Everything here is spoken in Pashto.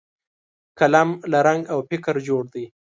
قلم له رنګ او فکره جوړ دی